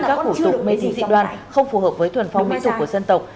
các hủ tục mê tín dị đoan không phù hợp với thuần phong mỹ tục của dân tộc